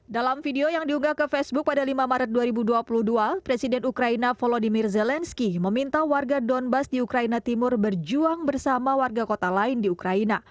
dalam video yang diunggah ke facebook pada lima maret dua ribu dua puluh dua presiden ukraina volodymyr zelensky meminta warga donbass di ukraina timur berjuang bersama warga kota lain di ukraina